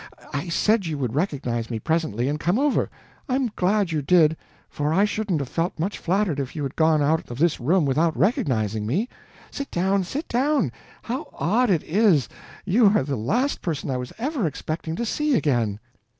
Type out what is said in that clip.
I said you would recognize me presently and come over; and I'm glad you did, for I shouldn't have felt much flattered if you had gone out of this room without recognizing me. Sit down, sit down how odd it is you are the last person I was ever expecting to see again."